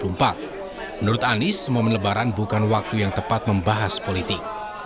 menurut anies momen lebaran bukan waktu yang tepat membahas politik